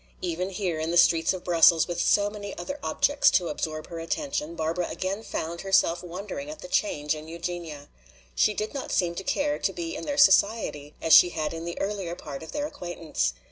Even here in the streets of Brussels, with so many other objects to absorb her attention, Barbara again found herself wondering at the change in Eugenia. She did not seem to care to be in their society as she had in the earlier part of their acquaintance.